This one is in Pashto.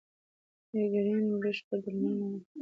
د مېګرین بشپړ درملنه لا وخت ته اړتیا لري.